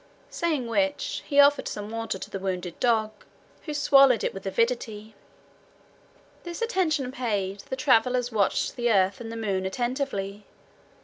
Saying which, he offered some water to the wounded dog, who swallowed it with avidity. This attention paid, the travelers watched the earth and the moon attentively.